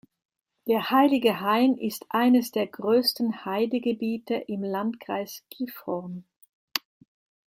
Der Heilige Hain ist eines der größten Heidegebiete im Landkreis Gifhorn.